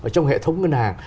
trong hệ thống ngân hàng